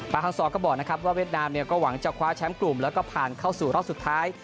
ประทางสองก็บอกว่าเวียดนามก็หวังจะคว้าแชมป์กลุ่มแล้วก็ผ่านเข้าสู่รอบสุดท้าย